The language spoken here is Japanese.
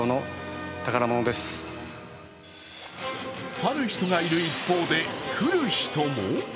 去る人がいる一方で、来る人も。